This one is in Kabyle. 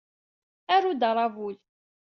Aru-d aṛabul.